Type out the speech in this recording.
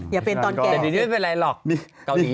อย่าเป็นตอนแก่